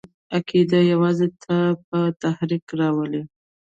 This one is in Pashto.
عقیده یوازې تا په تحرک راولي!